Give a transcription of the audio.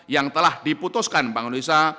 yang telah diputuskan bank indonesia